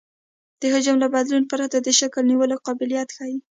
د حجم له بدلون پرته د شکل نیولو قابلیت ښیي